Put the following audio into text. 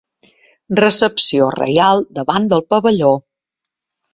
Recepció reial davant del pavelló.